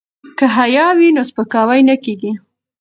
که حیا وي نو سپکاوی نه کیږي.